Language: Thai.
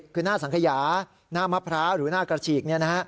คือหน้าสังขยาหน้ามะพร้าหรือหน้ากระฉีกเนี่ยนะฮะ